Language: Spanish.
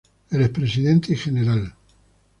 El expresidente y Gral.